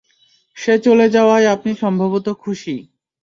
সে চলে যাওয়ায় আপনি সম্ভবত খুশি।